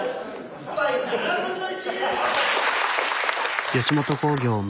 スパイ７分の１！